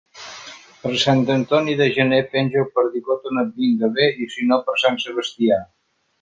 Per Sant Antoni de Gener, penja el perdigot on et vinga bé, i si no, per Sant Sebastià.